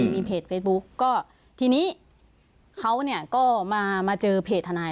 มีเพจเฟซบุ๊กก็ทีนี้เขาก็มาเจอเพจทนาย